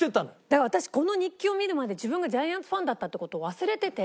だから私この日記を見るまで自分がジャイアンツファンだったって事を忘れてて。